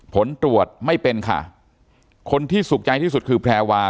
ผลตรวจไม่เป็นค่ะคนที่สุขใจที่สุดคือแพรวา